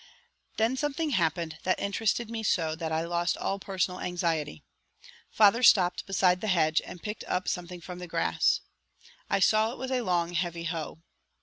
Then something happened that interested me so that I lost all personal anxiety. Father stopped beside the hedge and picked up something from the grass. I saw it was a long, heavy hoe.